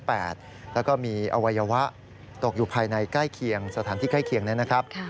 แล้วก็มีอวัยวะตกอยู่ภายในใกล้เคียงสถานที่ใกล้เคียงนะครับ